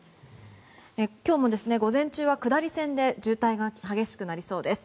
今日も午前中は下り線で渋滞が激しくなりそうです。